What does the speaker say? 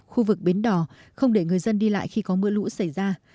khu vực bến đỏ không để người dân đi lại khi có mưa lũ xảy ra